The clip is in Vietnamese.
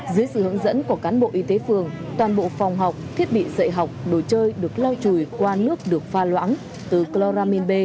dưới sự hướng dẫn của cán bộ y tế phường toàn bộ phòng học thiết bị dạy học đồ chơi được lau chùi qua nước được pha loãng từ cloramin b hai mươi năm